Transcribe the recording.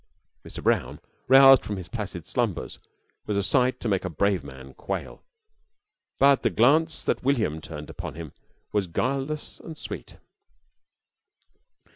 Mr. Brown, roused from his placid slumbers, was a sight to make a brave man quail, but the glance that William turned upon him was guileless and sweet.